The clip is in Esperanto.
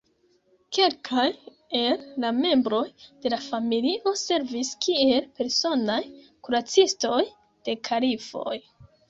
Kelkaj el la membroj de la familio servis kiel personaj kuracistoj de kalifoj.